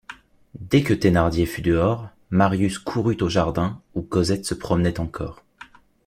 Dès que Thénardier fut dehors, Marius courut au jardin où Cosette se promenait encore.